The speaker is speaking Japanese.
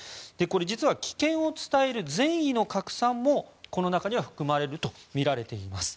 実は危険を伝える善意の拡散もこの中には含まれるとみられています。